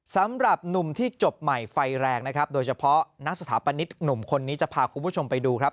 สำหรับหนุ่มที่จบใหม่ไฟแรงนะครับโดยเฉพาะนักสถาปนิกหนุ่มคนนี้จะพาคุณผู้ชมไปดูครับ